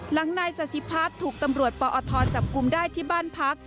นายสาธิพัฒน์ถูกตำรวจปอทจับกลุ่มได้ที่บ้านพัก